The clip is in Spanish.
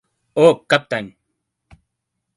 O Captain!